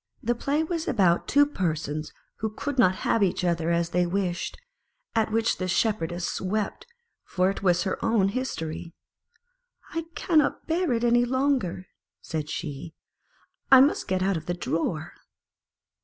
The play was about two persons who could not have each other as they wished, at which the Shepherdess wept, for it was her own history. "I cannot bear it any longer," said she; " I must get out of the drawer."